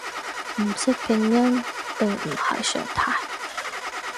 唔識拼音並唔係常態